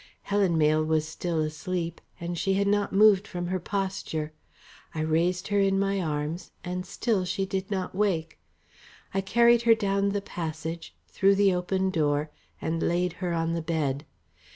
Helen Mayle was still asleep, and she had not moved from her posture. I raised her in my arms, and still she did not wake. I carried her down the passage, through the open door and laid her on the bed.